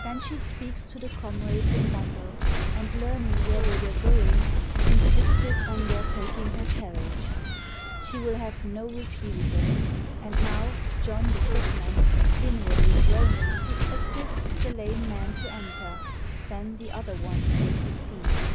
Then she speaks to the comrades in battle, and learning where they were going, insisted on their taking her carriage. She will have no refusal: and now John the footman, inwardly groaning, assists the lame man to enter, then the other one takes a seat...